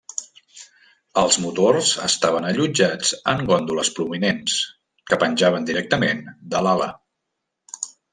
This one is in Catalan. Els motors estaven allotjats en góndoles prominents que penjaven directament de l'ala.